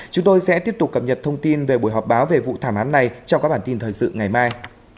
chúng tôi sẽ tiếp tục cập nhật thông tin về buổi họp báo về vụ thảm án này trong các bản tin thời sự ngày mai